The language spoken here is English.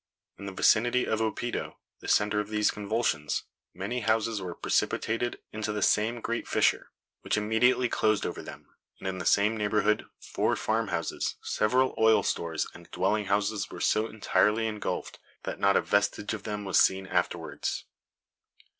In the vicinity of Oppido, the center of these convulsions, many houses were precipitated into the same great fissure, which immediately closed over them; and, [Illustration: GREAT EARTHQUAKE IN CALABRIA.] in the same neighborhood, four farm houses, several oilstores and dwelling houses were so entirely ingulfed that not a vestige of them was seen afterwards.